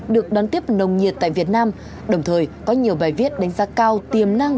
được đón tiếp nồng nhiệt tại việt nam đồng thời có nhiều bài viết đánh giá cao tiềm năng